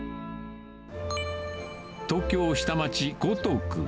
東京下町、江東区。